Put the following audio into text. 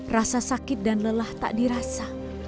rasa sakit dan lelah tak dirasa